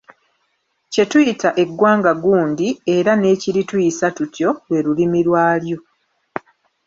Kye tuyita eggwanga gundi era n'ekirituyisa tutyo, lwe lulimi lwalyo.